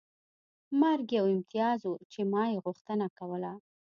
مرګ یو امتیاز و چې ما یې غوښتنه کوله